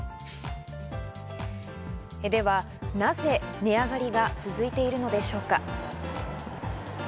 では、なぜ値上がりが続いているのでしょうか。